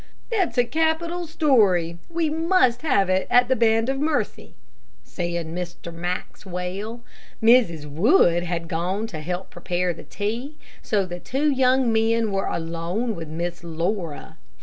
"That's a capital story, we must have it at the Band of Mercy," said Mr. Maxwell. Mrs. Wood had gone to help prepare the tea, so the two young men were alone with Miss Laura.